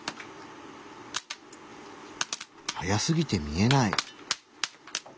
速すぎて見えない。